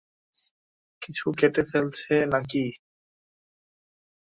কিছু কেটে ফেলেছ না-কি?